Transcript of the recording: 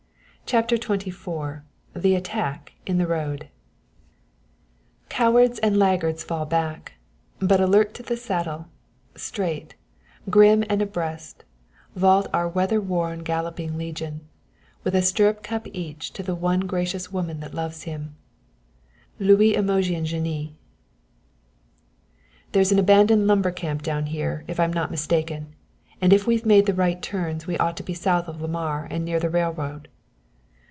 CHAPTER XXIV THE ATTACK IN THE ROAD Cowards and laggards fall back; but alert to the saddle, Straight, grim and abreast, vault our weather worn galloping legion, With a stirrup cup each to the one gracious woman that loves him. Louise Imogen Guiney. "There's an abandoned lumber camp down here, if I'm not mistaken, and if we've made the right turns we ought to be south of Lamar and near the railroad."